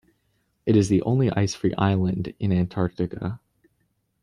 It is the only ice free island in Antarctica.